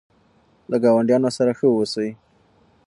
له ګاونډیانو سره ښه اوسئ.